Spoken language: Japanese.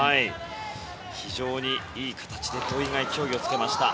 非常にいい形で土井が勢いをつけました。